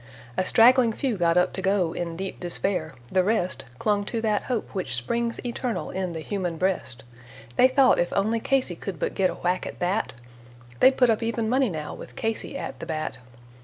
A straggling few got up to go in deep despair. The rest Clung to that hope which springs eternal in the human breast: They thought if only Casey could but get a whack at that, They'd put up even money now, with Casey at the bat.